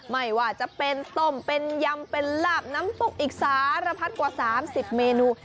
ไม่ว่าจะเป็นต้มเป็นยำเป็นลาบน้ำตุ๊กอีกสารพัดกว่า๓๐เมนู